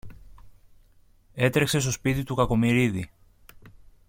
Έτρεξε στο σπίτι του Κακομοιρίδη